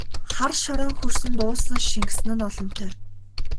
Хар шороон хөрсөнд уусан шингэсэн нь олонтой!